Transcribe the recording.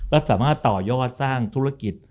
และสามารถต่อยอดสร้างธุรกิจ